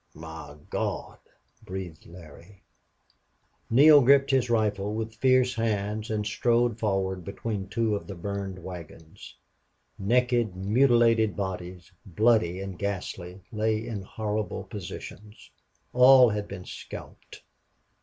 "My Gawd!" breathed Larry. Neale gripped his rifle with fierce hands and strode forward between two of the burned wagons. Naked, mutilated bodies, bloody and ghastly, lay in horrible positions. All had been scalped.